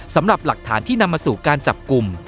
สำหรับหลักฐานที่นำมาสู่การจับกลุ่ม